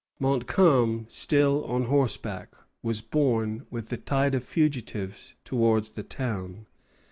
Montcalm, still on horseback, was borne with the tide of fugitives towards the town.